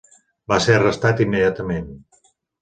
Va ser arrestat immediatament.